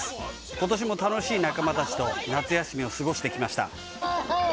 今年も楽しい仲間たちと夏休みを過ごしてきました。